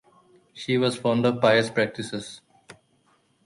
She was fond of pious practices.